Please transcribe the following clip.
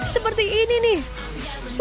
seperti ini nih